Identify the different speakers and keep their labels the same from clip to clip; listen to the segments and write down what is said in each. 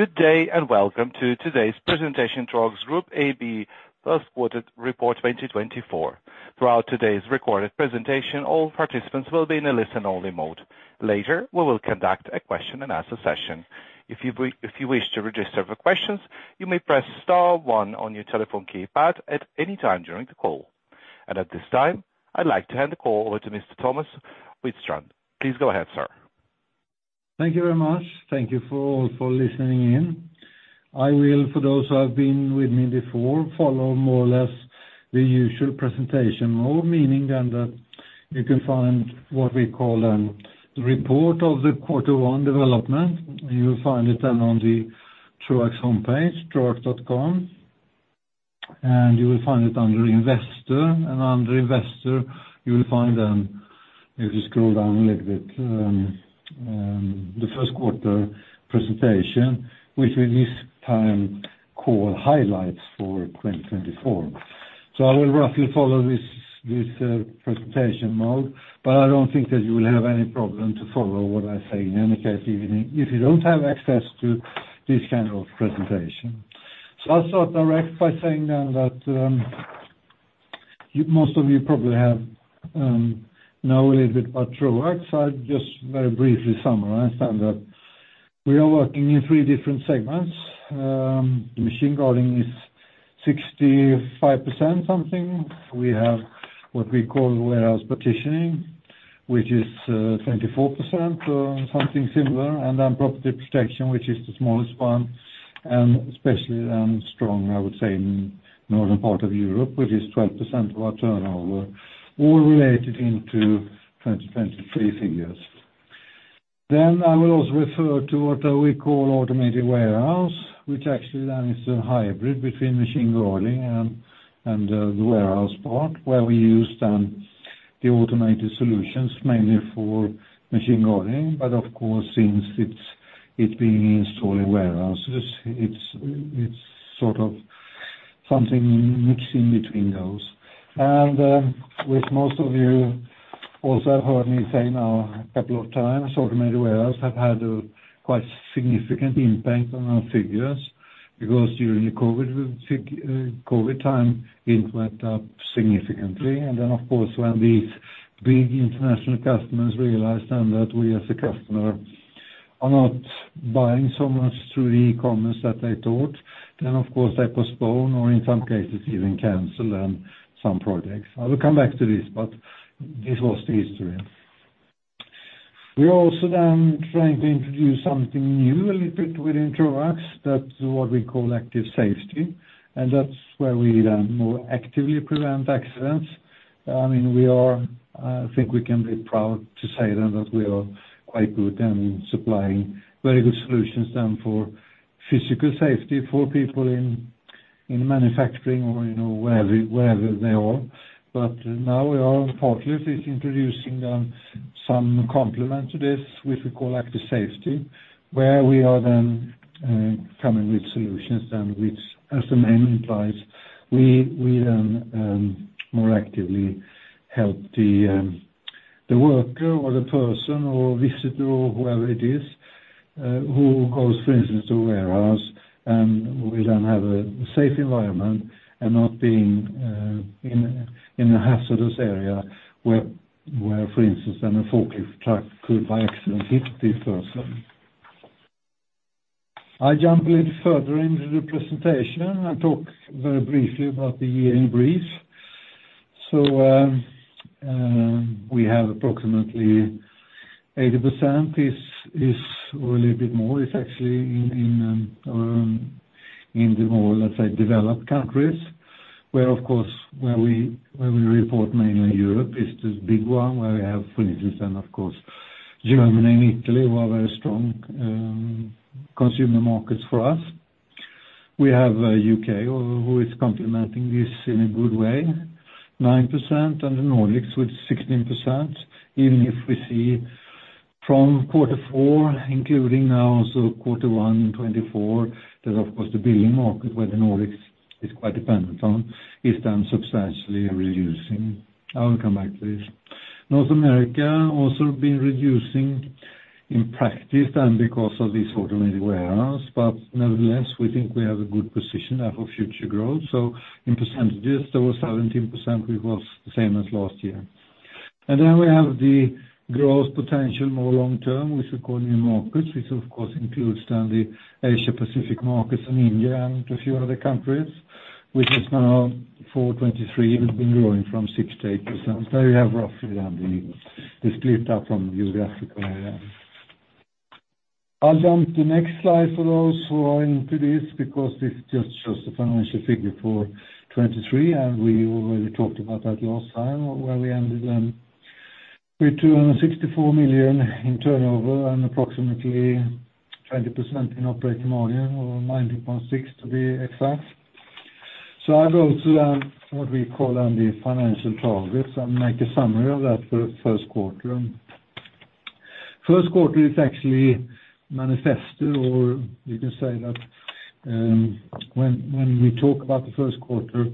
Speaker 1: Good day and welcome to today's presentation, Troax Group AB First Quarter Report 2024. Throughout today's recorded presentation, all participants will be in a listen-only mode. Later, we will conduct a Q&A session. If you wish to register for questions, you may press star one on your telephone keypad at any time during the call. At this time, I'd like to hand the call over to Mr. Thomas Widstrand. Please go ahead, sir.
Speaker 2: Thank you very much. Thank you all for listening in. I will, for those who have been with me before, follow more or less the usual presentation mode, meaning that you can find what we call a report of the quarter one development. You'll find it then on the Troax homepage, troax.com. And you will find it under Investor. And under Investor, you will find then, if you scroll down a little bit, the first quarter presentation, which we this time call highlights for 2024. So I will roughly follow this presentation mode, but I don't think that you will have any problem to follow what I say in any case, even if you don't have access to this kind of presentation. So I'll start directly by saying then that you most of you probably know a little bit about Troax. I'd just very briefly summarize then that we are working in three different segments. Machine Guarding is 65% something. We have what we call Warehouse Partitioning, which is 24% or something similar. And then Property Protection, which is the smallest one and especially then strong, I would say, in northern part of Europe, which is 12% of our turnover, all related into 2023 figures. Then I will also refer to what we call Automated Warehouse, which actually then is a hybrid between Machine Guarding and the Warehouse Part where we use then the automated solutions, mainly for Machine Guarding. But of course, since it's being installed in warehouses, it's sort of something mixing between those. With most of you also have heard me say now a couple of times, Automated Warehouse have had a quite significant impact on our figures because during the COVID time it went up significantly. And then, of course, when these big international customers realized then that we, as a customer, are not buying so much through the e-commerce that they thought, then, of course, they postpone or, in some cases, even cancel then some projects. I will come back to this, but this was the history. We are also then trying to introduce something new a little bit within Troax that's what we call Active Safety. And that's where we then more actively prevent accidents. I mean, we are, I think we can be proud to say that we are quite good in supplying very good solutions for physical safety for people in manufacturing or, you know, wherever they are. But now we are partly at least introducing some complement to this which we call Active Safety, where we are coming with solutions which, as the name implies, we more actively help the worker or the person or visitor or whoever it is who goes, for instance, to a warehouse. And we have a safe environment and not being in a hazardous area where, for instance, a forklift truck could by accident hit this person. I jump a little further into the presentation and talk very briefly about the year in brief. So, we have approximately 80% or a little bit more is actually in the more, let's say, developed countries where, of course, we report mainly in Europe is the big one where we have, for instance, then, of course, Germany and Italy who are very strong consumer markets for us. We have the U.K., who is complementing this in a good way, 9%, and the Nordics with 16%. Even if we see from quarter four, including now also quarter one 2024, there's, of course, the building market where the Nordics is quite dependent on is then substantially reducing. I will come back to this. North America also been reducing in practice then because of this Automated Warehouse. But nevertheless, we think we have a good position there for future growth. So in percentages, there was 17% which was the same as last year. And then we have the growth potential more long-term which we call New Markets which, of course, includes then the Asia-Pacific markets and India and a few other countries which is now for 2023 has been growing from 6%-8%. There you have roughly then the split up from the geographical area. I'll jump to the next slide for those who are into this because this just shows the financial figure for 2023. And we already talked about that last year where we ended then with 264 million in turnover and approximately 20% in operating margin or 90.6 million to be exact. So I go to then what we call then the financial targets and make a summary of that for the first quarter. First quarter is actually manifested or you can say that, when we talk about the first quarter,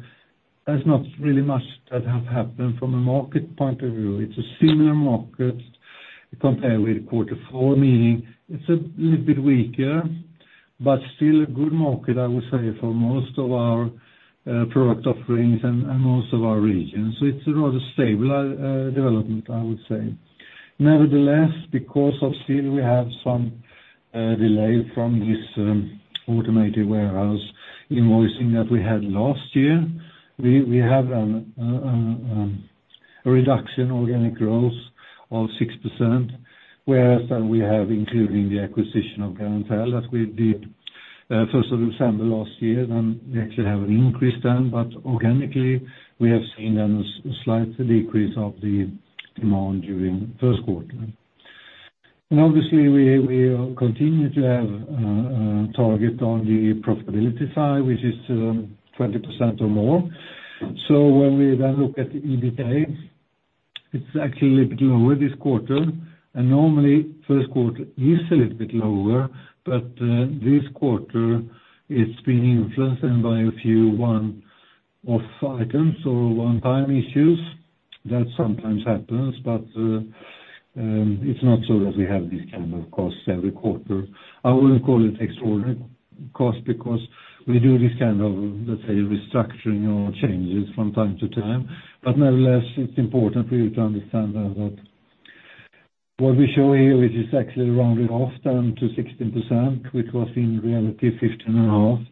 Speaker 2: there's not really much that has happened from a market point of view. It's a similar market compared with quarter four, meaning it's a little bit weaker but still a good market, I would say, for most of our product offerings and most of our regions. So it's a rather stable development, I would say. Nevertheless, because of still we have some delay from this Automated Warehouse invoicing that we had last year, we have then a reduction in organic growth of 6% whereas then we have including the acquisition of Garantell that we did, first of December last year. Then we actually have an increase then. But organically, we have seen then a slight decrease of the demand during first quarter. Obviously, we continue to have target on the profitability side which is 20% or more. So when we then look at the EBITDA, it's actually a little bit lower this quarter. And normally, first quarter is a little bit lower. But this quarter, it's been influenced then by a few one-off items or one-time issues. That sometimes happens. But it's not so that we have these kind of costs every quarter. I wouldn't call it extraordinary costs because we do this kind of, let's say, restructuring or changes from time to time. Nevertheless, it's important for you to understand then that what we show here which is actually rounded off then to 16% which was in reality 15.5%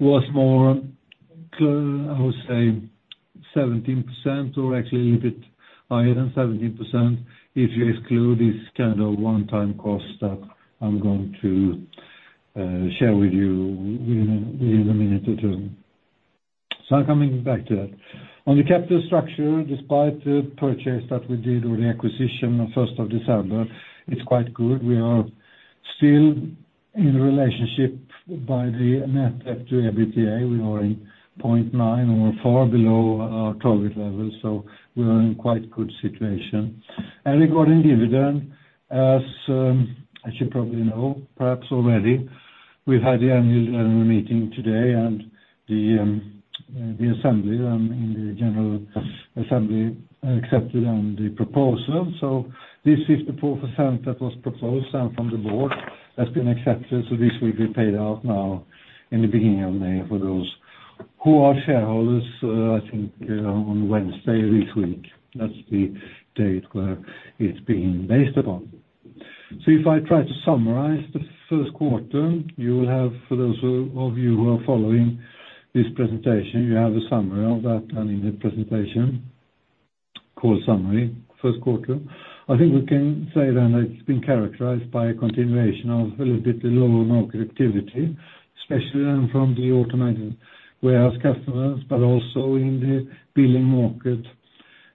Speaker 2: was more clear I would say 17% or actually a little bit higher than 17% if you exclude this kind of one-time cost that I'm going to share with you within a minute or two. So I'm coming back to that. On the capital structure, despite the purchase that we did or the acquisition on 1 December, it's quite good. We are still in relationship by the net debt to EBITDA. We are in 0.9x or far below our target level. So we are in quite good situation. And regarding dividend, as you probably know, perhaps already, we've had the annual general meeting today and the assembly then in the general assembly accepted then the proposal. So this 54% that was proposed then from the board has been accepted. So this will be paid out now in the beginning of May for those who are shareholders, I think, on Wednesday of this week. That's the date where it's being based upon. So if I try to summarize the first quarter, you will have for those who of you who are following this presentation, you have a summary of that then in the presentation called Summary First Quarter. I think we can say then that it's been characterized by a continuation of a little bit lower market activity, especially then from the Automated Warehouse customers but also in the building market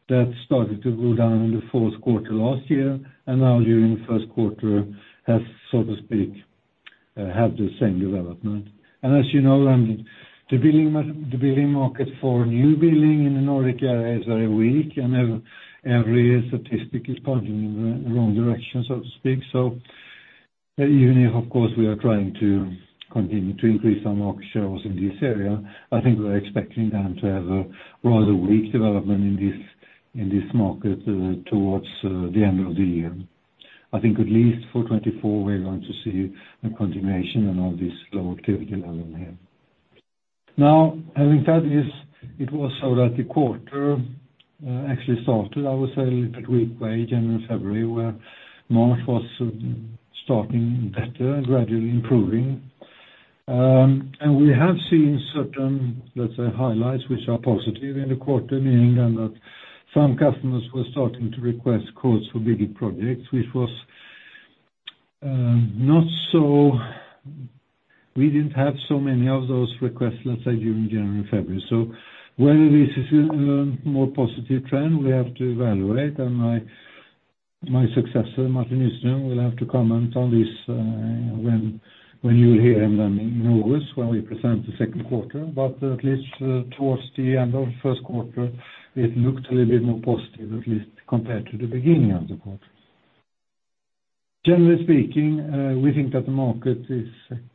Speaker 2: that started to go down in the fourth quarter last year and now during the first quarter has, so to speak, had the same development. And as you know, then the building market for new building in the Nordic area is very weak. And every statistic is pointing in the wrong direction, so to speak. So, even if, of course, we are trying to continue to increase our market shares in this area, I think we're expecting then to have a rather weak development in this market, towards the end of the year. I think at least for 2024, we're going to see a continuation in all this low activity level here. Now, having said this, it was so that the quarter, actually started, I would say, a little bit weak in January and February where March was, starting better and gradually improving. We have seen certain, let's say, highlights which are positive in the quarter, meaning then that some customers were starting to request quotes for bigger projects which was not so; we didn't have so many of those requests, let's say, during January and February. So whether this is a more positive trend, we have to evaluate. And my successor, Martin Nyström, will have to comment on this when you'll hear him then in August when we present the second quarter. But at least, towards the end of the first quarter, it looked a little bit more positive at least compared to the beginning of the quarter. Generally speaking, we think that the market is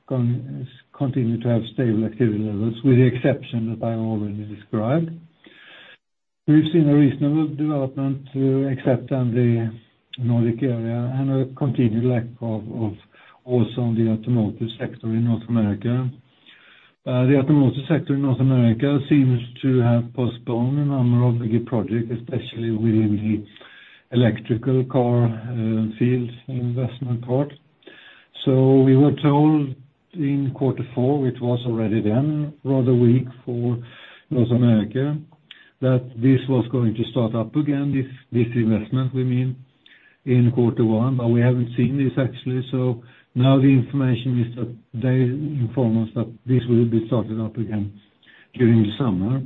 Speaker 2: continuing to have stable activity levels with the exception that I already described. We've seen a reasonable development, except in the Nordic area and a continued lack of, of also in the automotive sector in North America. The automotive sector in North America seems to have postponed a number of bigger projects, especially within the electric car field investment part. So we were told in quarter four, which was already then rather weak for North America, that this was going to start up again, this investment we mean, in quarter one. But we haven't seen this actually. So now the information is that they inform us that this will be started up again during the summer.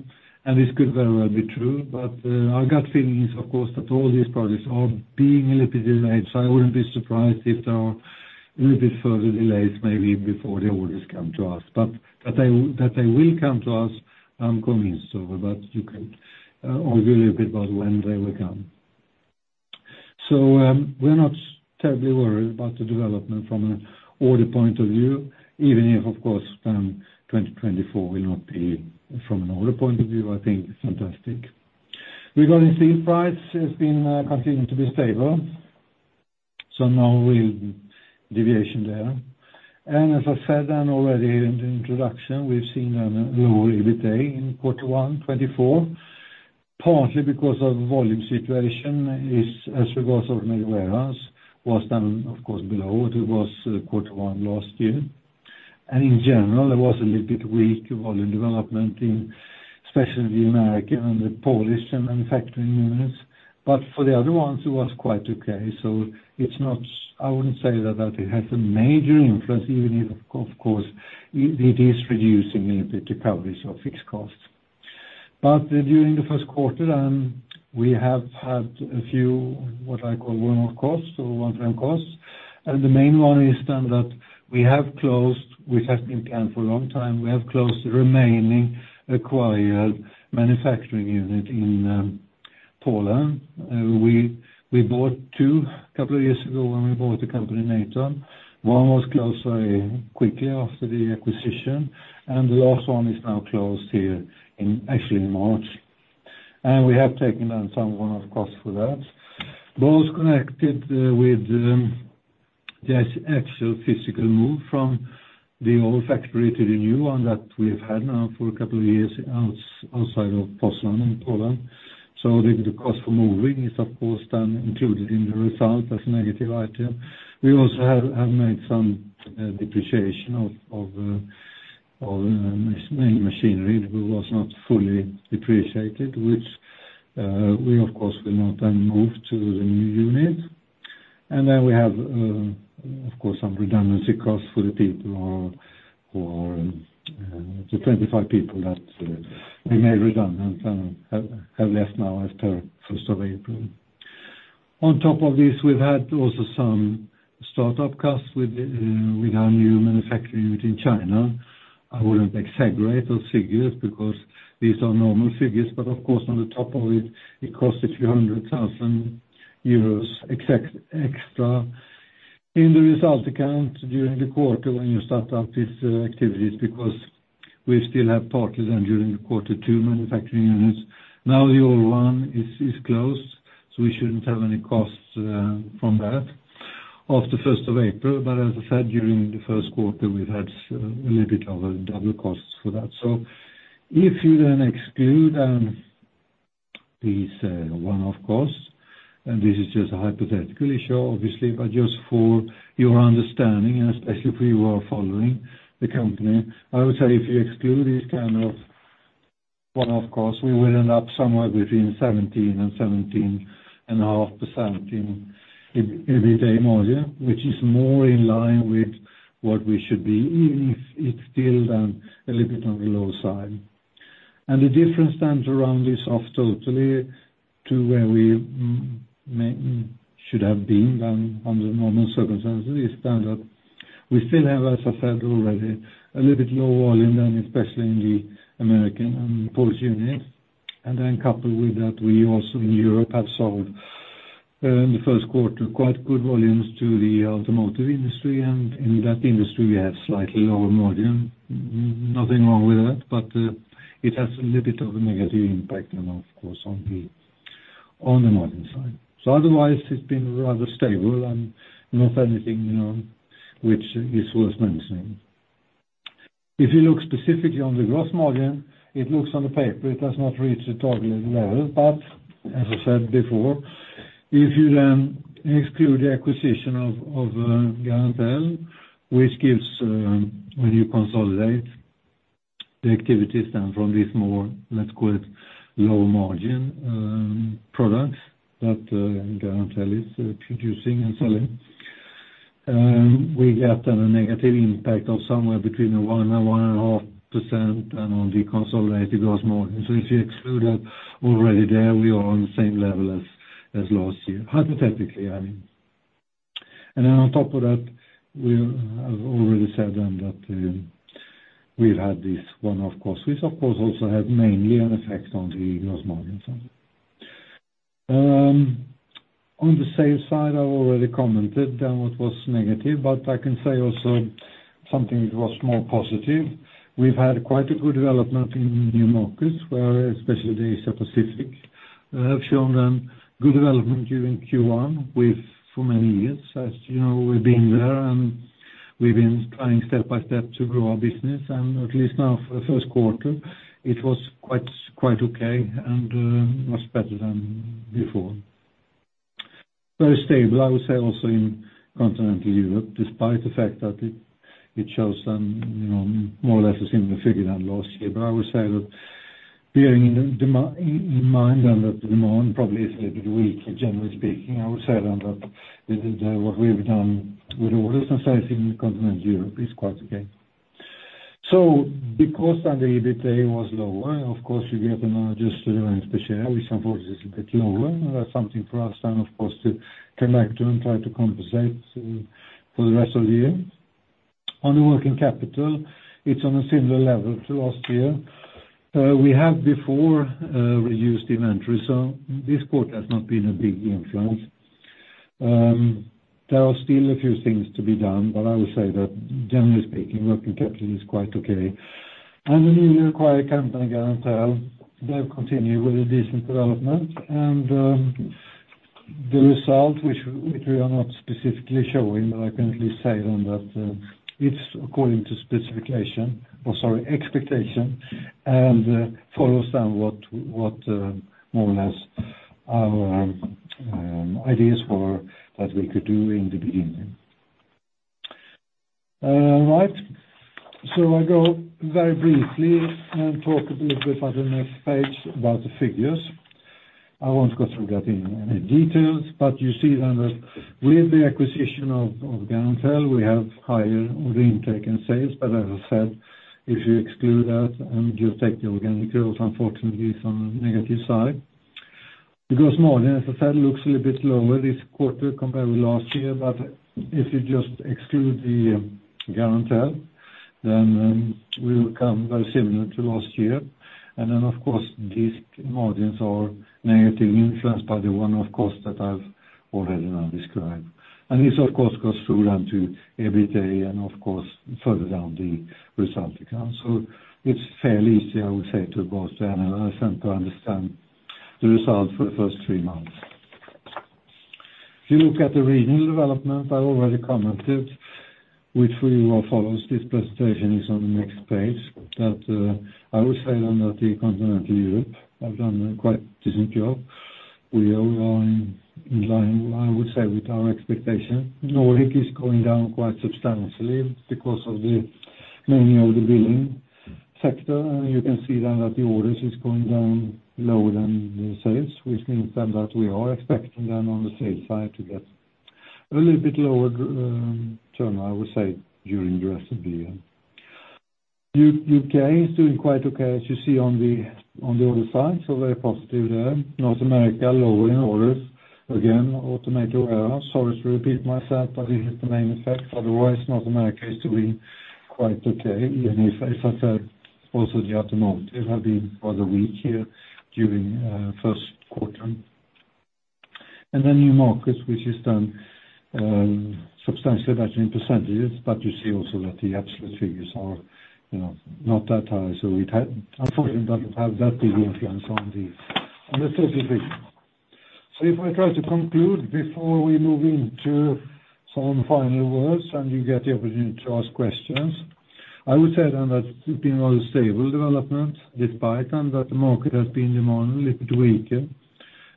Speaker 2: And this could very well be true. But I got feelings, of course, that all these projects are being a little bit delayed. So I wouldn't be surprised if there are a little bit further delays maybe before the orders come to us. But that they will come to us, I'm convinced of. But you can argue a little bit about when they will come. So, we're not terribly worried about the development from an order point of view even if, of course, then 2024 will not be from an order point of view, I think, fantastic. Regarding steel price, it's been continuing to be stable. So no real deviation there. And as I said then already in the introduction, we've seen then a lower EBITDA in quarter one 2024 partly because of volume situation is as regards Automated Warehouse was then, of course, below what it was, quarter one last year. And in general, there was a little bit weak volume development in especially the American and the Polish and manufacturing units. But for the other ones, it was quite okay. So it's not I wouldn't say that it has a major influence even if, of course, it is reducing a little bit the coverage of fixed costs. But during the first quarter then, we have had a few what I call one-off costs or one-time costs. And the main one is then that we have closed which has been planned for a long time. We have closed the remaining acquired manufacturing unit in Poland. We bought two a couple of years ago when we bought the company Natom. One was closed very quickly after the acquisition. And the last one is now closed here actually in March. And we have taken then some one-off costs for that. Both connected with the actual physical move from the old factory to the new one that we've had now for a couple of years out outside of Poznań in Poland. So the cost for moving is, of course, then included in the result as a negative item. We also have made some depreciation of main machinery that was not fully depreciated which we, of course, will not then move to the new unit. And then we have, of course, some redundancy costs for the people who are the 25 people that remained redundant and have left now after 1 April. On top of this, we've had also some startup costs with our new manufacturing unit in China. I wouldn't exaggerate those figures because these are normal figures. But of course, on the top of it, it cost a few hundred thousand euros extra in the result account during the quarter when you start up these activities because we still have partly then during the quarter two manufacturing units. Now the old one is closed. So we shouldn't have any costs from that after 1 April. But as I said, during the first quarter, we've had a little bit of a double cost for that. So if you then exclude these one-off costs and this is just a hypothetical issue, obviously, but just for your understanding and especially for you who are following the company, I would say if you exclude these kind of one-off costs, we would end up somewhere between 17%-17.5% in EBITDA margin which is more in line with what we should be even if it's still then a little bit on the low side. And the difference then, to round this off totally, to where we may should have been then under normal circumstances is then that we still have, as I said already, a little bit low volume then especially in the American and Polish units. And then coupled with that, we also in Europe have sold, in the first quarter quite good volumes to the automotive industry. And in that industry, we have slightly lower margin. Nothing wrong with that. But it has a little bit of a negative impact then, of course, on the on the margin side. So otherwise, it's been rather stable and not anything, you know, which is worth mentioning. If you look specifically on the gross margin, it looks on the paper it does not reach the target level. But as I said before, if you then exclude the acquisition of Garantell, which gives, when you consolidate the activities then from these more, let's call it, lower margin products that Garantell is producing and selling, we get then a negative impact of somewhere between 1% and 1.5% then on the consolidated gross margin. So if you exclude that already there, we are on the same level as last year, hypothetically, I mean. And then on top of that, we have already said then that we've had these one-off costs which, of course, also have mainly an effect on the gross margin side. On the sales side, I've already commented then what was negative. But I can say also something that was more positive. We've had quite a good development in New Markets where especially the Asia-Pacific have shown then good development during Q1 with for many years. As you know, we've been there and we've been trying step by step to grow our business. At least now for the first quarter, it was quite, quite okay and much better than before. Very stable, I would say, also in Continental Europe despite the fact that it shows then, you know, more or less a similar figure than last year. I would say that bearing in the demand in mind then that the demand probably is a little bit weak generally speaking, I would say then that the what we've done with orders and sales in Continental Europe is quite okay. So because then the EBITDA was lower, of course, you get then adjusted earnings per share which, unfortunately, is a bit lower. And that's something for us then, of course, to come back to and try to compensate for the rest of the year. On the working capital, it's on a similar level to last year. We have before reduced inventory. So this quarter has not been a big influence. There are still a few things to be done. But I would say that generally speaking, working capital is quite okay. And the newly acquired company Garantell, they've continued with a decent development. And the result which we are not specifically showing, but I can at least say then that it's according to specification or, sorry, expectation and follows then what, more or less our ideas were that we could do in the beginning, right. So I go very briefly and talk a little bit at the next page about the figures. I won't go through that in any details. But you see then that with the acquisition of Garantell, we have higher order intake and sales. But as I said, if you exclude that and you take the organic growth, unfortunately, it's on the negative side. The gross margin, as I said, looks a little bit lower this quarter compared with last year. But if you just exclude the Garantell, then we will come very similar to last year. And then, of course, these margins are negatively influenced by the one-off costs that I've already now described. And this, of course, goes through then to EBITDA and, of course, further down the result account. So it's fairly easy, I would say, to both to analyze and to understand the result for the first three months. If you look at the regional development, I already commented which for you all follows this presentation is on the next page that, I would say then that the Continental Europe have done a quite decent job. We are in line, I would say, with our expectation. Nordic is going down quite substantially because of the mainly of the building sector. And you can see then that the orders is going down lower than the sales which means then that we are expecting then on the sales side to get a little bit lower, turn, I would say, during the rest of the year. UK is doing quite okay as you see on the on the other side. So very positive there. North America lower in orders again, Automated Warehouse. Sorry to repeat myself, but this is the main effect. Otherwise, North America is doing quite okay even if, as I said, also the automotive have been rather weak here during the first quarter. And then New Markets, which is then substantially better in percentages. But you see also that the absolute figures are, you know, not that high. So it has unfortunately doesn't have that big influence on the total figures. So if I try to conclude before we move into some final words and you get the opportunity to ask questions, I would say then that it's been rather stable development despite then that the market has been demanding, a little bit weaker.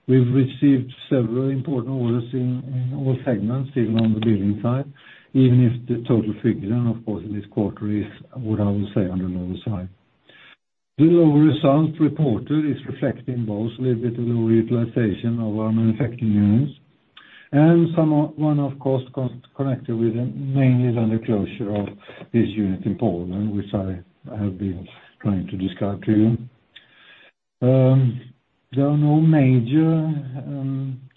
Speaker 2: We've received several important orders in all segments even on the Building side even if the total figure then, of course, in this quarter is what I would say on the lower side. The lower result reported is reflecting both a little bit of lower utilization of our manufacturing units and some one-off costs connected with mainly then the closure of this unit in Poland which I have been trying to describe to you. There are no major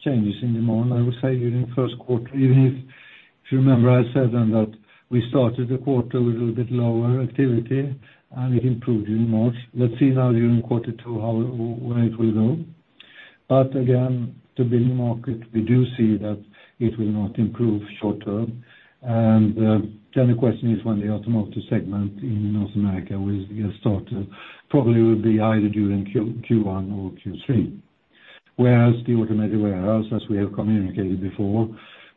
Speaker 2: changes in demand, I would say, during first quarter even if you remember, I said then that we started the quarter with a little bit lower activity and it improved during March. Let's see now during quarter two how it will go. But again, the Building market, we do see that it will not improve short term. Then the question is when the automotive segment in North America will get started. Probably will be either during Q1 or Q3. Whereas the Automated Warehouse, as we have communicated before,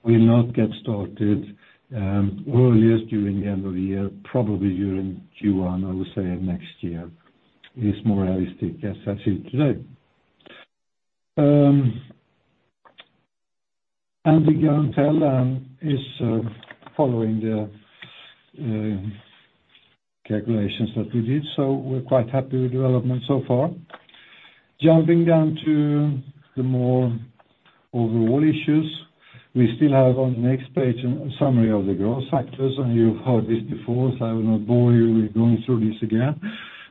Speaker 2: will not get started, earliest during the end of the year, probably during Q1, I would say, of next year is more realistic as I see it today. And the Garantell then is, following the calculations that we did. So we're quite happy with development so far. Jumping down to the more overall issues, we still have on the next page a summary of the growth factors. You've heard this before, so I will not bore you with going through this again.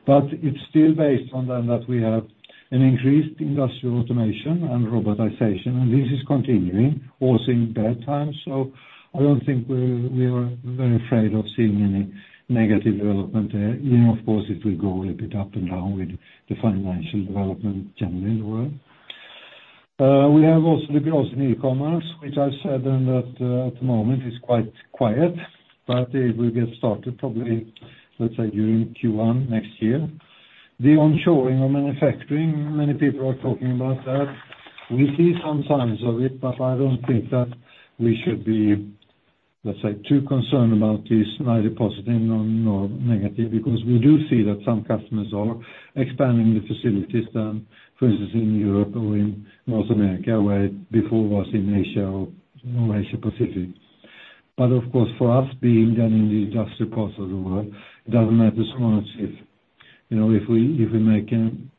Speaker 2: But it's still based on then that we have an increased industrial automation and robotization. This is continuing also in bad times. So I don't think we are very afraid of seeing any negative development there. Even of course, it will go a little bit up and down with the financial development generally in the world. We have also the growth in e-commerce which I've said then that, at the moment, is quite quiet. But it will get started probably, let's say, during Q1 next year. The onshoring of manufacturing, many people are talking about that. We see some signs of it. But I don't think that we should be, let's say, too concerned about this neither positive nor negative because we do see that some customers are expanding the facilities then, for instance, in Europe or in North America where it before was in Asia or Asia Pacific. But of course, for us being then in the industrial parts of the world, it doesn't matter so much if, you know, the customer makes an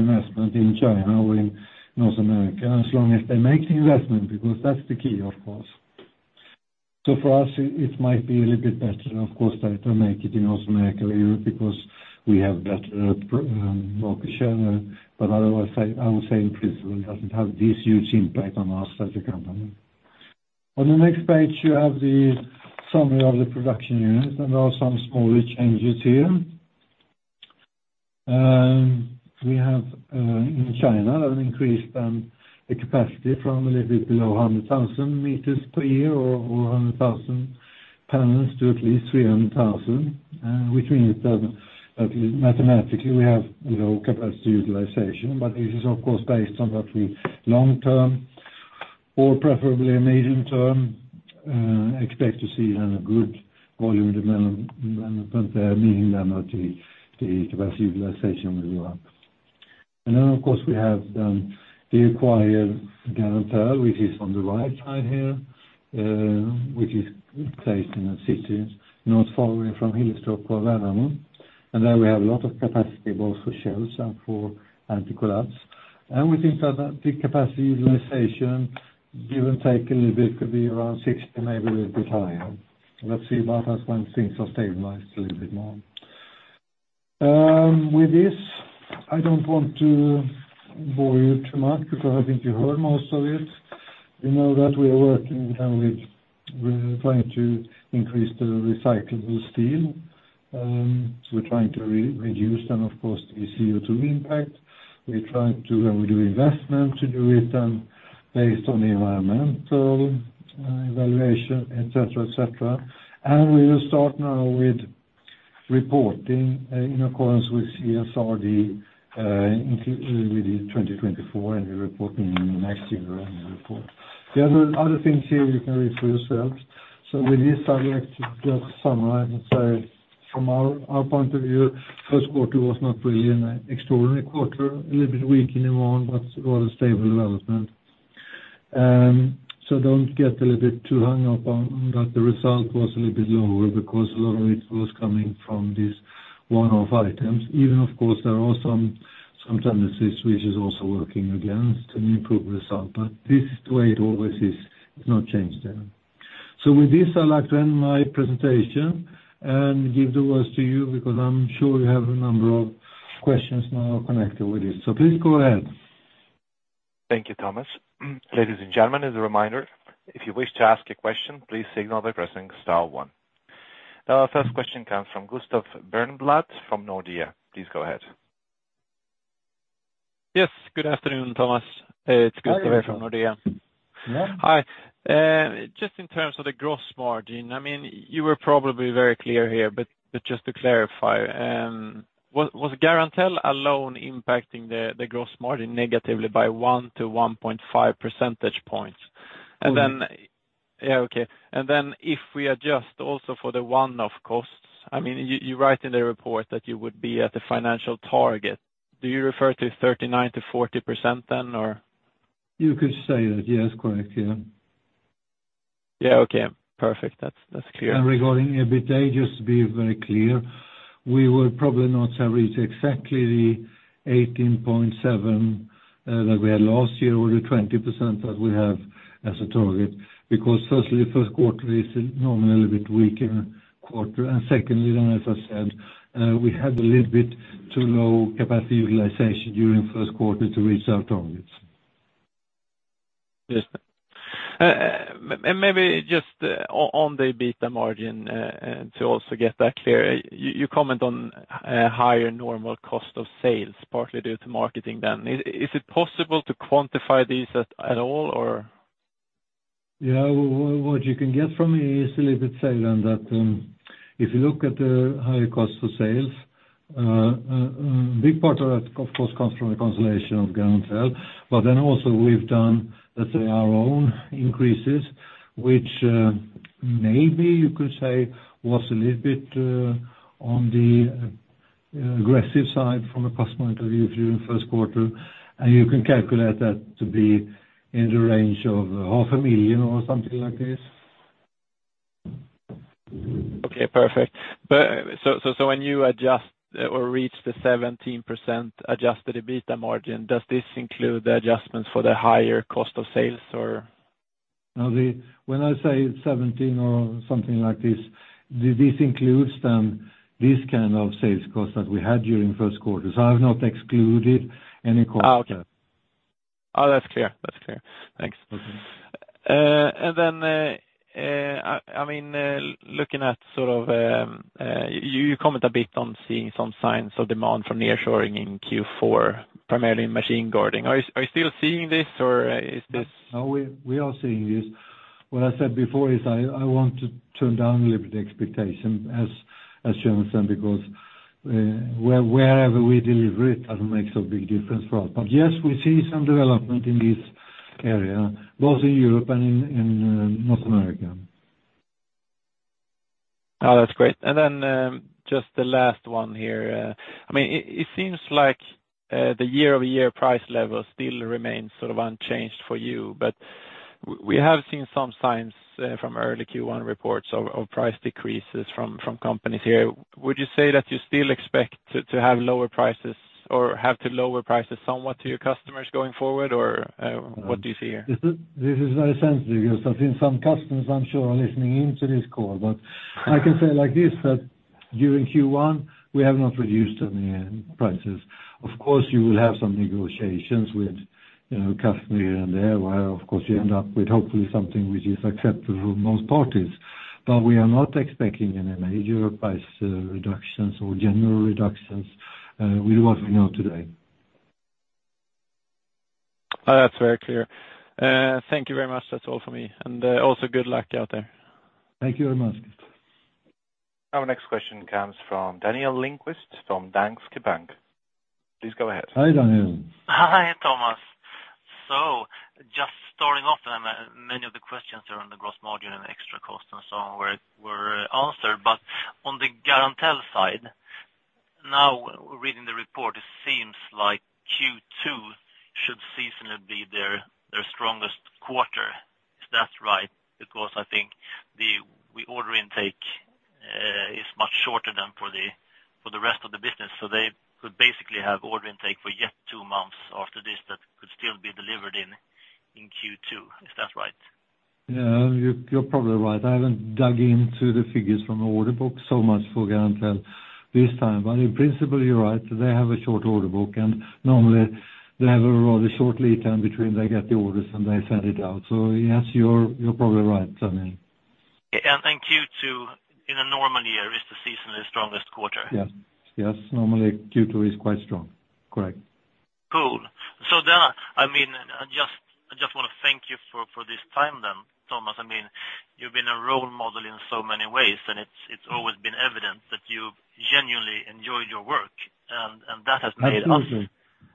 Speaker 2: investment in China or in North America as long as they make the investment because that's the key, of course. So for us, it might be a little bit better, of course, to make it in North America or Europe because we have better market share. But otherwise, I would say in principle, it doesn't have this huge impact on us as a company. On the next page, you have the summary of the production units. There are some smaller changes here. We have, in China, an increase then the capacity from a little bit below 100,000 meters per year or 100,000 panels to at least 300,000, which means then that mathematically, we have low capacity utilization. But this is, of course, based on that we long term or preferably a medium term, expect to see then a good volume development there, meaning then that the capacity utilization will go up. And then, of course, we have then the acquired Garantell which is on the right side here, which is placed in a city not far away from Hillerstorp or Värnamo. And there we have a lot of capacity both for shelves and for anti-collapse. And we think that the capacity utilization give and take a little bit could be around 60%, maybe a little bit higher. Let's see about us when things are stabilized a little bit more. With this, I don't want to bore you too much because I think you heard most of it. You know that we are working then with we're trying to increase the recyclable steel. We're trying to reduce then, of course, the CO2 impact. We're trying to and we do investment to do it then based on the environmental evaluation, etc., etc. We will start now with reporting in accordance with CSRD with the 2024. We're reporting next year and report. The other things here, you can read for yourselves. So with this, I'd like to just summarize and say from our point of view, first quarter was not really an extraordinary quarter, a little bit weak in demand but rather stable development. So don't get a little bit too hung up on that. The result was a little bit lower because a lot of it was coming from these one-off items. Even, of course, there are some tendencies which is also working against an improved result. But this is the way it always is. It's not changed there. So with this, I'd like to end my presentation and give the words to you because I'm sure you have a number of questions now connected with this. So please go ahead.
Speaker 1: Thank you, Thomas. Ladies and gentlemen, as a reminder, if you wish to ask a question, please signal by pressing star one. Now, our first question comes from Gustav Berneblad from Nordea. Please go ahead.
Speaker 3: Yes. Good afternoon, Thomas. It's Gustav here from Nordea. Hi.
Speaker 2: Yeah? Hi.
Speaker 3: Just in terms of the gross margin, I mean, you were probably very clear here. But just to clarify, was Garantell alone impacting the gross margin negatively by 1-1.5 percentage points? And then yeah, okay. And then if we adjust also for the one-off costs, I mean, you write in the report that you would be at a financial target. Do you refer to 39%-40% then or?
Speaker 2: You could say that. Yes, correct. Yeah.
Speaker 3: Yeah, okay. Perfect. That's clear.
Speaker 2: And regarding EBITDA, just to be very clear, we will probably not have reached exactly the 18.7% that we had last year or the 20% that we have as a target because firstly, first quarter is normally a little bit weaker quarter. And secondly then, as I said, we had a little bit too low capacity utilization during first quarter to reach our targets.
Speaker 3: Yes. And maybe just on the EBITDA margin, to also get that clear, you comment on higher normal cost of sales partly due to marketing then. Is it possible to quantify these at all or?
Speaker 2: Yeah. What you can get from me is a little bit said on that. If you look at the higher cost of sales, a big part of that, of course, comes from the consolidation of Garantell. But then also, we've done, let's say, our own increases which, maybe you could say was a little bit on the aggressive side from a customer point of view during First Quarter. And you can calculate that to be in the range of 500,000 or something like this.
Speaker 3: Okay. Perfect. So when you adjust or reach the 17% adjusted EBITDA margin, does this include the adjustments for the higher cost of sales or?
Speaker 2: Now, when I say 17% or something like this, this includes then these kind of sales costs that we had during first quarter. So I have not excluded any costs.
Speaker 3: Okay. Oh, that's clear. That's clear. Thanks. And then, I mean, looking at sort of, you comment a bit on seeing some signs of demand from the onshoring in Q4 primarily in Machine Guarding. Are you still seeing this or is this?
Speaker 2: No, we are seeing this. What I said before is I want to turn down a little bit the expectation as you understand because, wherever we deliver it doesn't make so big difference for us. But yes, we see some development in this area both in Europe and in North America.
Speaker 3: Oh, that's great. And then, just the last one here, I mean, it seems like the year-over-year price level still remains sort of unchanged for you. But we have seen some signs from early Q1 reports of price decreases from companies here. Would you say that you still expect to have lower prices or have to lower prices somewhat to your customers going forward or what do you see here?
Speaker 2: This is very sensitive because I think some customers, I'm sure, are listening into this call. But I can say like this that during Q1, we have not reduced any prices. Of course, you will have some negotiations with, you know, customers here and there where, of course, you end up with hopefully something which is acceptable for most parties. But we are not expecting any major price reductions or general reductions, with what we know today.
Speaker 3: Oh, that's very clear. Thank you very much. That's all for me. Also, good luck out there.
Speaker 2: Thank you very much.
Speaker 1: Our next question comes from Daniel Lindkvist from Danske Bank. Please go ahead.
Speaker 2: Hi, Daniel.
Speaker 4: Hi, Thomas. So just starting off then, many of the questions around the gross margin and extra costs and so on were answered. But on the Garantell side, now reading the report, it seems like Q2 should seasonally be their strongest quarter. Is that right? Because I think the order intake is much shorter than for the rest of the business. So they could basically have order intake for yet two months after this that could still be delivered in Q2. Is that right?
Speaker 2: Yeah. You're probably right. I haven't dug into the figures from the order book so much for Garantell this time. But in principle, you're right. They have a short order book. And normally, they have a rather short lead time between they get the orders and they send it out. So yes, you're probably right, Daniel.
Speaker 4: And Q2 in a normal year is the seasonally strongest quarter.
Speaker 2: Yes. Yes. Normally, Q2 is quite strong. Correct.
Speaker 4: Cool. So then, I mean, I just want to thank you for this time then, Thomas. I mean, you've been a role model in so many ways. And it's always been evident that you genuinely enjoyed your work. And that has made us.
Speaker 2: Absolutely.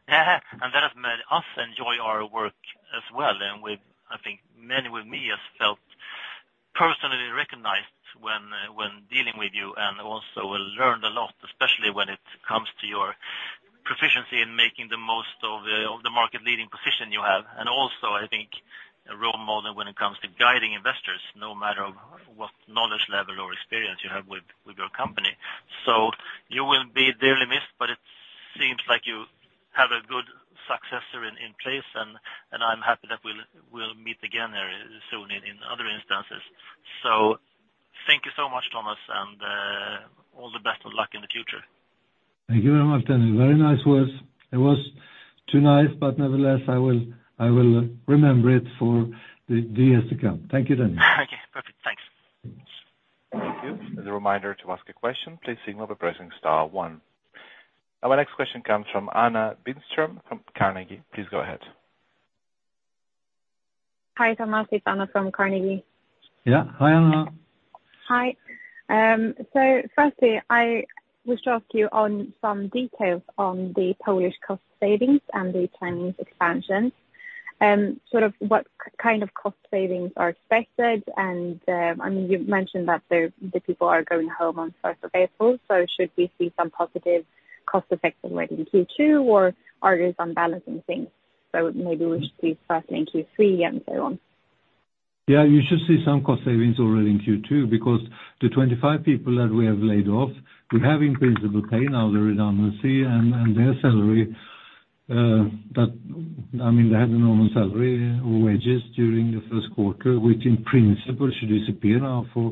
Speaker 2: Yeah.
Speaker 4: And that has made us enjoy our work as well. And we've, I think, many with me have felt personally recognized when dealing with you and also learned a lot, especially when it comes to your proficiency in making the most of the market-leading position you have. And also, I think, a role model when it comes to guiding investors no matter what knowledge level or experience you have with your company. So you will be dearly missed. But it seems like you have a good successor in place. And I'm happy that we'll meet again here soon in other instances. So thank you so much, Thomas. And all the best and luck in the future.
Speaker 2: Thank you very much, Daniel. Very nice words. It was too nice. But nevertheless, I will remember it for the years to come. Thank you, Daniel.
Speaker 4: Okay. Perfect. Thanks.
Speaker 1: Thank you. As a reminder to ask a question, please signal by pressing star one. Now, my next question comes from Anna Widström from Carnegie. Please go ahead.
Speaker 5: Hi, Thomas. It's Anna from Carnegie.
Speaker 2: Yeah. Hi, Anna.
Speaker 5: Hi. So firstly, I wish to ask you on some details on the Polish cost savings and the Chinese expansion, sort of what kind of cost savings are expected. And, I mean, you mentioned that the people are going home on 1 April. So should we see some positive cost effects already in Q2 or are there some balancing things? So maybe we should see firstly in Q3 and so on.
Speaker 2: Yeah. You should see some cost savings already in Q2 because the 25 people that we have laid off, we have in principle paid now the redundancy and their salary. That I mean, they had a normal salary or wages during the first quarter which in principle should disappear now for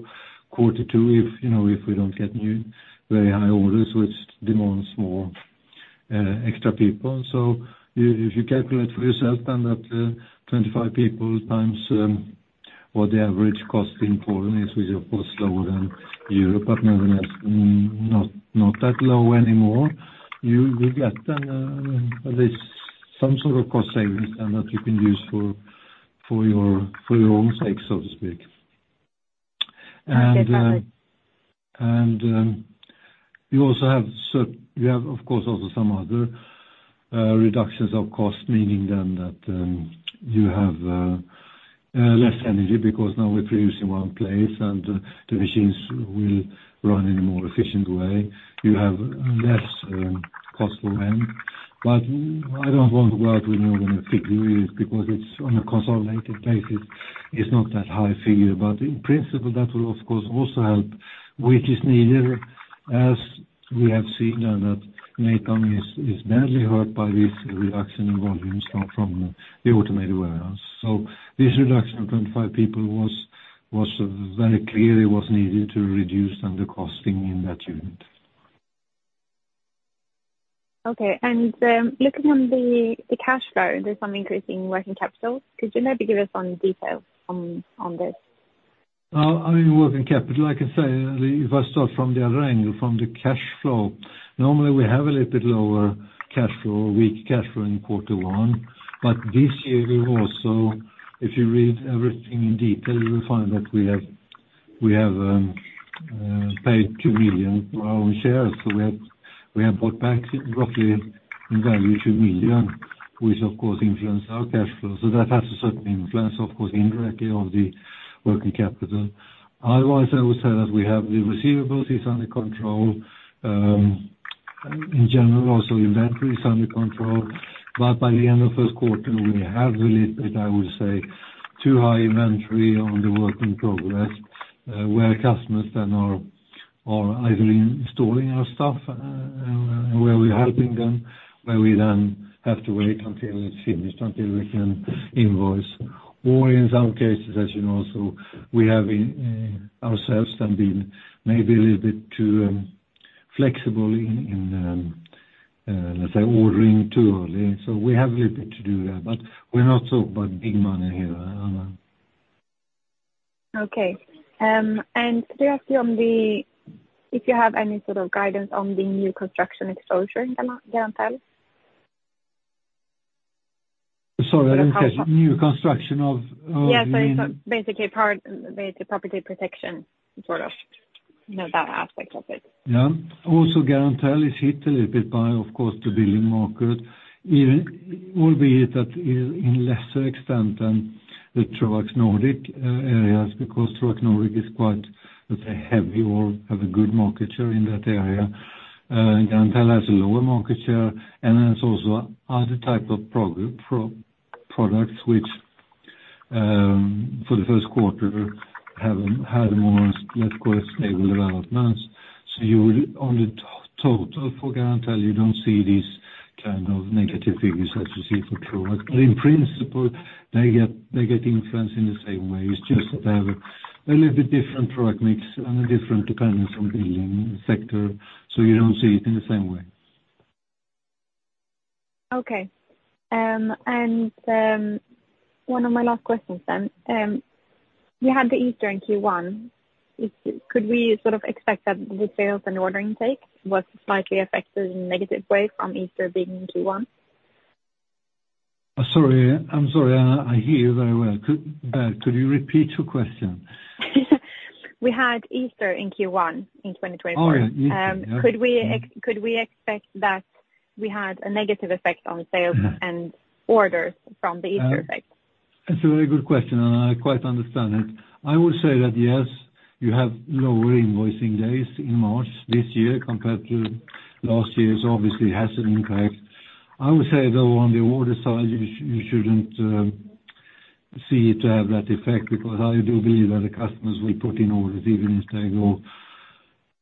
Speaker 2: quarter two if, you know, if we don't get new very high orders which demands more, extra people. So if you calculate for yourself then that, 25 people times, what the average cost in Poland is which is, of course, lower than Europe. But nevertheless, not that low anymore. You get then, at least some sort of cost savings then that you can use for your own sake, so to speak. You also have, of course, also some other reductions of cost meaning then that you have less energy because now we're producing one place and the machines will run in a more efficient way. You have less cost for rent. But I don't want to go out with no other figure because it's on a consolidated basis. It's not that high figure. But in principle, that will, of course, also help which is needed as we have seen then that Natom is badly hurt by this reduction in volumes from the Automated Warehouse. So this reduction of 25 people was very clearly needed to reduce then the costing in that unit.
Speaker 5: Okay. Looking on the cash flow, there's some increase in working capital. Could you maybe give us some details on this?
Speaker 2: Oh, I mean, working capital, like I say, if I start from the other angle, from the cash flow, normally, we have a little bit lower cash flow or weak cash flow in Quarter One. But this year, we've also if you read everything in detail, you will find that we have paid 2 million for our own shares. So we have bought back roughly in value 2 million which, of course, influenced our cash flow. So that has a certain influence, of course, indirectly on the working capital. Otherwise, I would say that we have the receivables is under control. In general, also, inventory is under control. But by the end of first quarter, we have a little bit, I would say, too high inventory on the work in progress, where customers then are either installing our stuff, and where we're helping them, where we then have to wait until it's finished until we can invoice. Or in some cases, as you know, so we have in ourselves then been maybe a little bit too flexible in, let's say, ordering too early. So we have a little bit to do there. But we're not talking about big money here, Anna.
Speaker 5: Okay. And to ask you on if you have any sort of guidance on the new construction exposure in Garantell?
Speaker 2: Sorry. I didn't catch it. New construction of.
Speaker 5: Yeah. So it's basically part basically property protection sort of, you know, that aspect of it.
Speaker 2: Yeah. Also, Garantell is hit a little bit by, of course, the building market even albeit that in a lesser extent than the Troax Nordic areas because Troax Nordics is quite, let's say, heavy or have a good market share in that area. Garantell has a lower market share. And then it's also other type of products which, for the first quarter, haven't had more, let's call it, stable developments. So you would, on the total for Garantell, you don't see these kind of negative figures as you see for Troax. But in principle, they get influenced in the same way. It's just that they have a little bit different product mix and a different dependence on building sector. So you don't see it in the same way.
Speaker 5: Okay. And, one of my last questions then. We had Easter in Q1. Could we sort of expect that the sales and ordering take was slightly affected in a negative way from Easter being in Q1?
Speaker 2: Sorry. I'm sorry. I can't hear you very well. Could you repeat your question?
Speaker 5: We had Easter in Q1 in 2024. Oh, yeah. Easter. Could we expect that we had a negative effect on sales and orders from the Easter effect?
Speaker 2: That's a very good question. And I quite understand it. I would say that, yes, you have lower invoicing days in March this year compared to last year's. Obviously, it has an impact. I would say, though, on the order side, you shouldn't see it to have that effect because I do believe that the customers will put in orders even if they go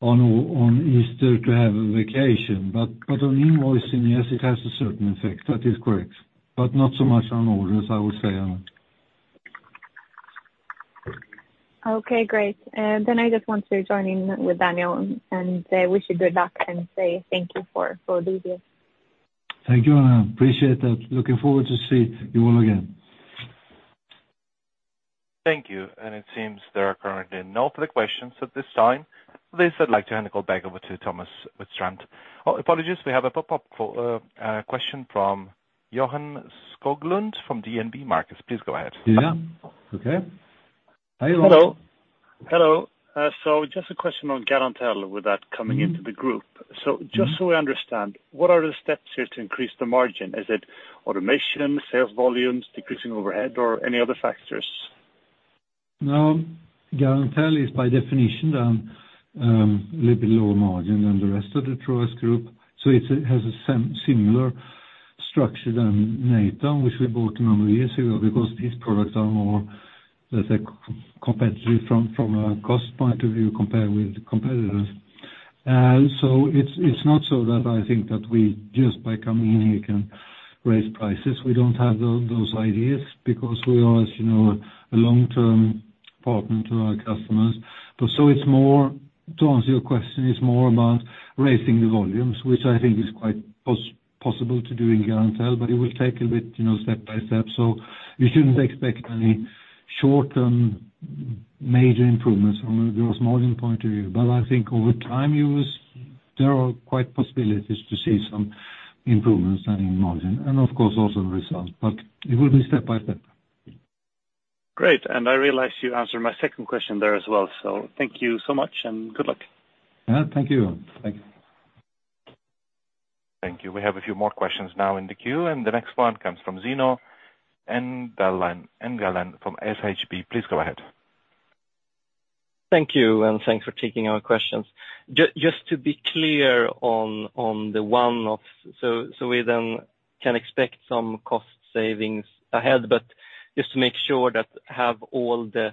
Speaker 2: on Easter to have a vacation. But on invoicing, yes, it has a certain effect. That is correct. But not so much on orders, I would say, Anna.
Speaker 5: Okay. Great. Then I just want to join in with Daniel and wish you good luck and say thank you for doing this.
Speaker 2: Thank you, Anna. Appreciate that. Looking forward to see you all again.
Speaker 1: Thank you. And it seems there are currently no further questions at this time. Please, I'd like to hand the call back over to Thomas Widstrand. Oh, apologies. We have a pop-up call question from Johan Skoglund from DNB Markets. Please go ahead.
Speaker 2: Yeah. Okay. Hi, Johan.
Speaker 6: Hello. Hello. So just a question on Garantell without coming into the group. So just so we understand, what are the steps here to increase the margin? Is it automation, sales volumes, decreasing overhead, or any other factors?
Speaker 2: No. Garantell is, by definition, then, a little bit lower margin than the rest of the Troax Group. So it has a somewhat similar structure to Natom which we bought a number of years ago because these products are more, let's say, competitive from a cost point of view compared with competitors. So it's not so that I think that we just by coming in here can raise prices. We don't have those ideas because we are, as you know, a long-term partner to our customers. But so it's more to answer your question, it's more about raising the volumes which I think is quite possible to do in Garantell. But it will take a little bit, you know, step by step. So you shouldn't expect any short-term major improvements from a gross margin point of view. But I think over time, you will. There are quite possibilities to see some improvements then in margin and, of course, also in results. But it will be step by step.
Speaker 6: Great. I realize you answered my second question there as well. So thank you so much. Good luck.
Speaker 2: Yeah. Thank you, Johan. Thank you.
Speaker 1: Thank you. We have a few more questions now in the queue. The next one comes from Zino Engdalen from SHB. Please go ahead.
Speaker 7: Thank you. Thanks for taking our questions. Just to be clear on the one-offs, so we then can expect some cost savings ahead. But just to make sure that all the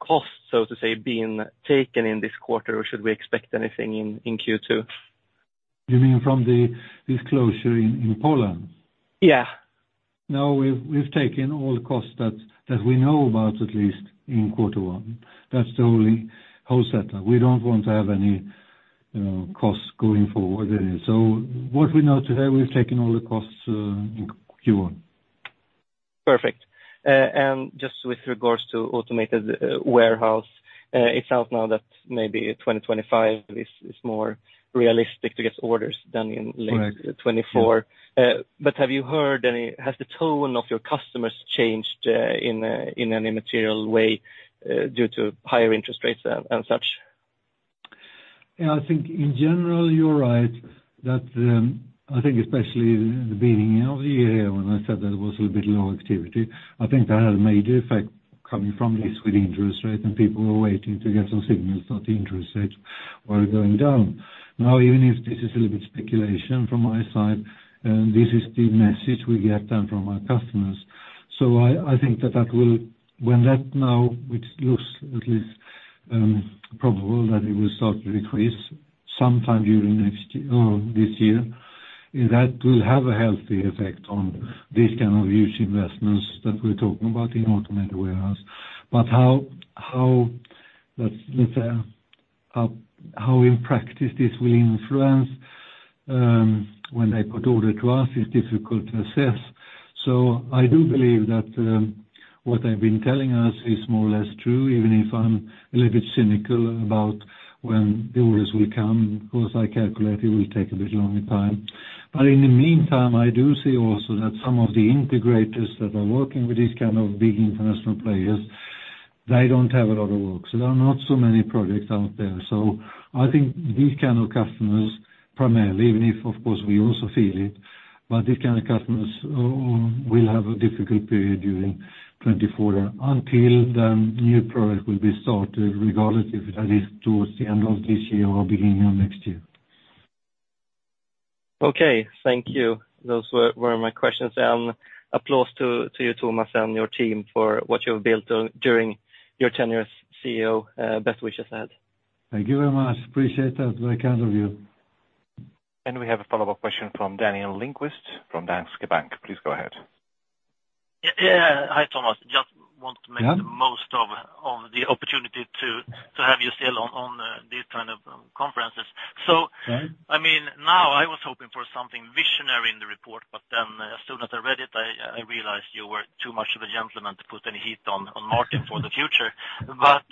Speaker 7: costs have, so to say, been taken in this quarter? Or should we expect anything in Q2?
Speaker 2: You mean from the disclosure in Poland?
Speaker 7: Yeah.
Speaker 2: No, we've taken all the costs that we know about at least in quarter one. That's the only whole setup. We don't want to have any, you know, costs going forward. So what we know today, we've taken all the costs in Q1.
Speaker 7: Perfect. Just with regards to Automated Warehouse, it sounds now that maybe 2025 is more realistic to get orders than in late 2024. But have you heard any has the tone of your customers changed, in any material way, due to higher interest rates and such?
Speaker 2: Yeah. I think, in general, you're right that, I think especially the beginning of the year when I said that it was a little bit low activity, I think that had a major effect coming from the Swedish interest rate. And people were waiting to get some signals that the interest rates were going down. Now, even if this is a little bit speculation from my side, this is the message we get then from our customers. So I think that will when that now which looks at least probable that it will start to decrease sometime during next year or this year, that will have a healthy effect on these kind of huge investments that we're talking about in Automated Warehouse. But how let's say how in practice this will influence when they put order to us is difficult to assess. So I do believe that what they've been telling us is more or less true even if I'm a little bit cynical about when the orders will come because I calculate it will take a bit longer time. But in the meantime, I do see also that some of the integrators that are working with these kind of big international players, they don't have a lot of work. So there are not so many projects out there. So I think these kind of customers primarily even if, of course, we also feel it but these kind of customers will have a difficult period during 2024 then until the new product will be started regardless if that is towards the end of this year or beginning of next year.
Speaker 7: Okay. Thank you. Those were my questions. And applause to you, Thomas, and your team for what you've built during your tenure as CEO. Best wishes ahead.
Speaker 2: Thank you very much. Appreciate that. Very kind of you.
Speaker 1: And we have a follow-up question from Daniel Lindkvist from Danske Bank. Please go ahead.
Speaker 4: Yeah. Hi, Thomas. Just want to make the most of the opportunity to have you still on these kind of conferences. So, I mean, now, I was hoping for something visionary in the report. But then as soon as I read it, I realized you were too much of a gentleman to put any heat on Martin for the future. But,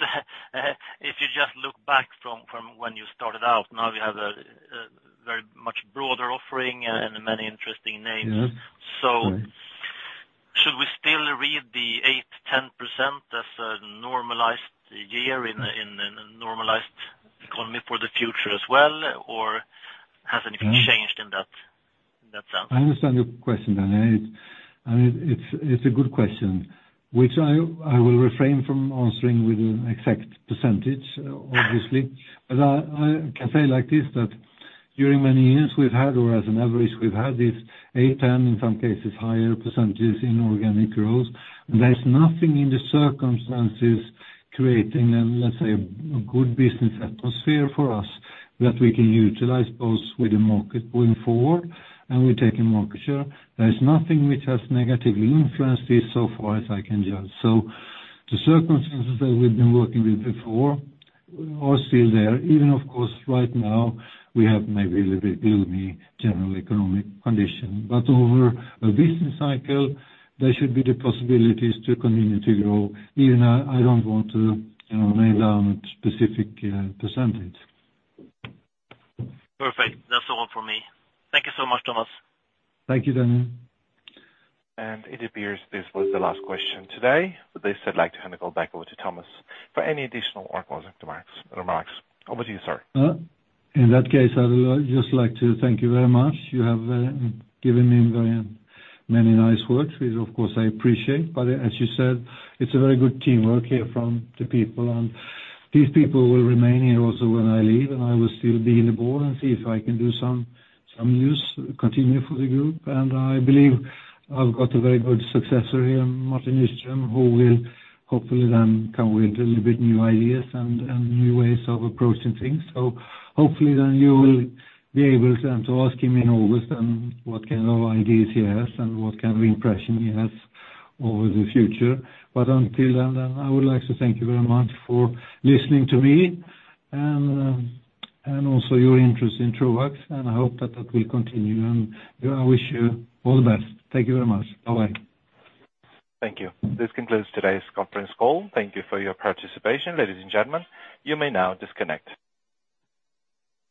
Speaker 4: if you just look back from when you started out, now, you have a very much broader offering and many interesting names. So. Should we still read the 8%-10% as a normalized year in a normalized economy for the future as well? Or has anything changed in that sense?
Speaker 2: I understand your question, Daniel. I mean, it's a good question which I will refrain from answering with an exact percentage, obviously. But I can say like this that during many years we've had, or as an average, we've had these 8%-10%, in some cases higher percentages in organic growth. And there's nothing in the circumstances creating then, let's say, a good business atmosphere for us that we can utilize both with the market going forward and with taking market share. There's nothing which has negatively influenced this so far as I can judge. So the circumstances that we've been working with before are still there even if, of course, right now, we have maybe a little bit gloomy general economic condition. But over a business cycle, there should be the possibilities to continue to grow. Even I don't want to, you know, nail down a specific percentage.
Speaker 4: Perfect. That's the one for me. Thank you so much, Thomas.
Speaker 2: Thank you, Daniel.
Speaker 1: It appears this was the last question today. They said they'd like to hand the call back over to Thomas for any additional org-wise remarks. Over to you, sir.
Speaker 2: In that case, I'd just like to thank you very much. You have given me very many nice words which, of course, I appreciate. But as you said, it's a very good teamwork here from the people. These people will remain here also when I leave. I will still be in the board and see if I can do some some use continue for the group. I believe I've got a very good successor here, Martin Nyström, who will hopefully then come with a little bit new ideas and new ways of approaching things. So hopefully, then, you will be able then to ask him in August then what kind of ideas he has and what kind of impression he has over the future. But until then, I would like to thank you very much for listening to me and, and also your interest in Troax. And I hope that that will continue. And I wish you all the best. Thank you very much. Bye-bye.
Speaker 1: Thank you. This concludes today's conference call. Thank you for your participation, ladies and gentlemen. You may now disconnect.